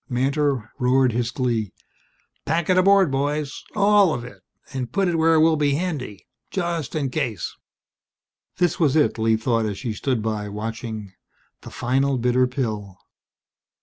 Mantor roared his glee. "Pack it aboard, boys all of it! And put it where it will be handy, just in case." This was it, Lee thought as she stood by, watching the final bitter pill.